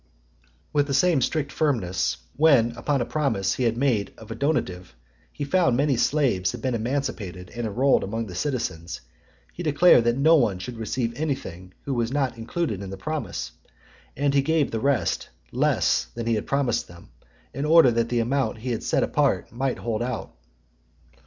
With the same strict firmness, when, upon a promise he had made of a donative, he found many slaves had been emancipated and enrolled amongst the citizens, he declared that no one should receive anything who was not included in the promise, and he gave the rest less than he had promised them, in order that the amount he had set apart might hold out.